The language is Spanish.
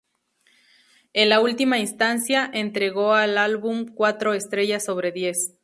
En última instancia, entregó al álbum cuatro estrellas sobre diez.